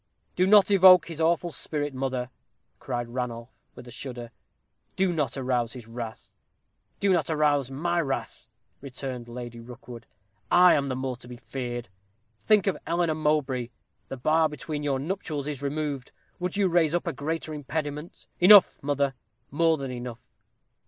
"Do not evoke his awful spirit, mother," cried Ranulph, with a shudder; "do not arouse his wrath." "Do not arouse my wrath," returned Lady Rookwood. "I am the more to be feared. Think of Eleanor Mowbray; the bar between your nuptials is removed. Would you raise up a greater impediment?" "Enough, mother; more than enough.